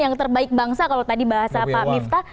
yang terbaik bangsa kalau tadi bahasa pak miftah